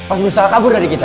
pas misal kabur dari kita